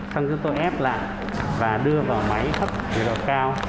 xong rồi tôi ép lại và đưa vào máy hấp nhiệt độ cao